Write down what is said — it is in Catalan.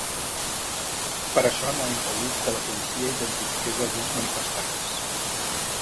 Però això no ha impedit que la policia identifiqués alguns manifestants.